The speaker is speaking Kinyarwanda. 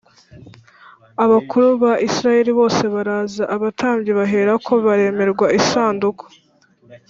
Abakuru ba Isirayeli bose baraza, abatambyi baherako baremērwa isanduku